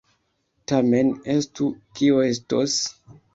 Tamen estu, kio estos!